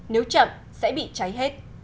nếu chậm sẽ bị cháy hết